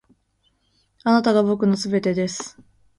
あなたが僕の全てです．